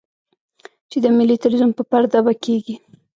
چې د ملي ټلویزیون پر پرده به کېږي.